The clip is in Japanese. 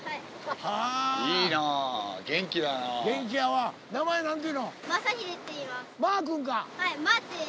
はい。